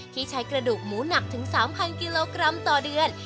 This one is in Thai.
ใช้กระดูกหมูหนักถึง๓๐๐กิโลกรัมต่อเดือน